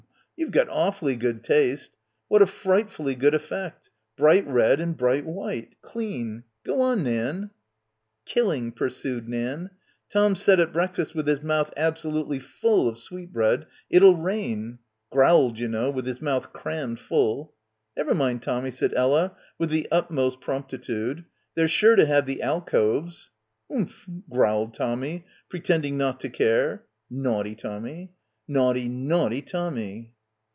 You've got awfully good taste. What a frightfully good effect. Bright red and bright white. Clean. Go on, Nan." "Killing" pursued Nan. "Tom said at breakfast with his mouth absolutely full of sweet bread, 'it'll rain' — growled, you know, with his mouth crammed full. 'Never mind, Tommy,' said Ella with the utmost promptitude, 'they're sure to have the alcoves.' 'Oomph,' growled Tommy, pretending not to care. Naughty Tommy, naughty, naughty Tommy